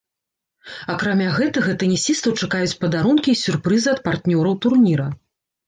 Акрамя гэтага, тэнісістаў чакаюць падарункі і сюрпрызы ад партнёраў турніра.